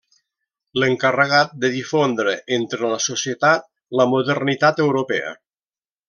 L'encarregat de difondre entre la societat la modernitat europea.